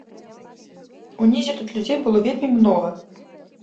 Унізе тут людзей было вельмі многа.